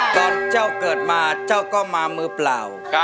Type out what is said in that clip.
เจ้าเกิดมาเจ้าก็มามือเปล่า